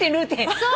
そう！